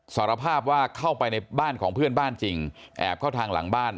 สารภาพว่าเข้าไปในบ้านของเพื่อนบ้านจริงแอบเข้าทางหลังบ้าน